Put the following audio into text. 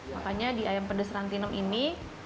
makanya di ayam pedas rantinem ini